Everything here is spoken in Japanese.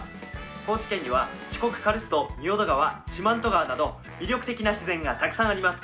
高知県には、四国カルスト仁淀川、四万十川など魅力的な自然がたくさんあります。